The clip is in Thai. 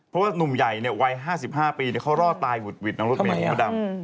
เพราะว่านุ่มใหญ่เนี่ยวัย๕๕ปีเขารอดตายหุดน้องรถเมฆอาวุธดำ